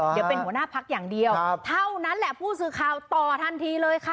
เดี๋ยวเป็นหัวหน้าพักอย่างเดียวเท่านั้นแหละผู้สื่อข่าวต่อทันทีเลยค่ะ